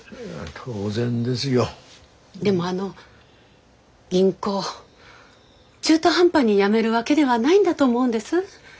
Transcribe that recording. でもあの銀行中途半端に辞めるわけではないんだと思うんです。